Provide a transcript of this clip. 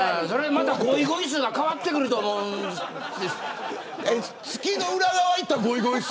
また、ゴイゴイスーが変わってくると思うんですよ。